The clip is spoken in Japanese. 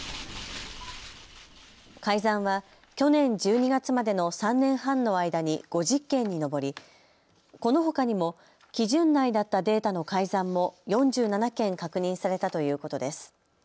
改ざんは去年１２月までの３年半の間に５０件に上りこのほかにも基準内だったデータの改ざんも４７件確認されたということです。